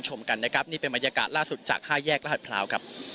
ชมกันนะครับนี่เป็นบรรยากาศล่าสุดจาก๕แยกราชพร้าวครับ